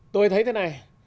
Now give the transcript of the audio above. tôi thấy thế này